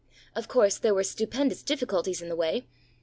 Of course, there were stupendous difficulties in the way.